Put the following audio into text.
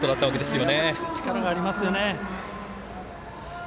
力がありますよね。